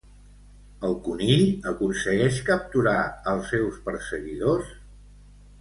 El conill aconsegueix capturar als seus perseguidors?